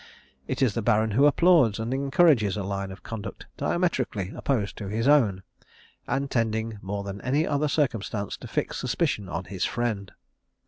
It is the Baron who applauds and encourages a line of conduct diametrically opposed to his own, and tending more than any other circumstance to fix suspicion on his friend.